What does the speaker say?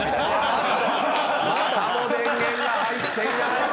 またも電源が入っていない！